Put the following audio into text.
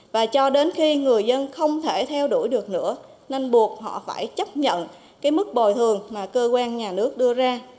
và cho đến khi người dân không thể theo đuổi được nữa nên buộc họ phải chấp nhận cái mức bồi thường mà cơ quan nhà nước đưa ra